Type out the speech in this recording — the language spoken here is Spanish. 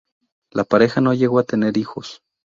La pareja no llegó a tener hijos.